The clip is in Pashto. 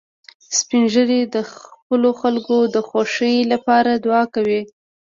سپین ږیری د خپلو خلکو د خوښۍ لپاره دعا کوي